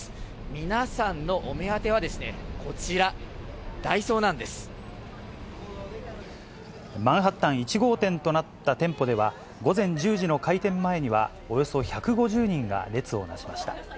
皆さんのお目当ては、こちら、マンハッタン１号店となった店舗では、午前１０時の開店前には、およそ１５０人が列をなしました。